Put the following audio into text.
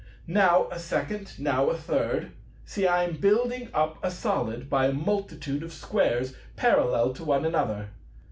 Now a second, now a third. See, I am building up a Solid by a multitude of Squares parallel to one another.